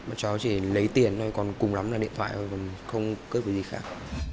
bọn cháu chỉ lấy tiền thôi còn cùng lắm là điện thoại thôi còn không cướp được gì khác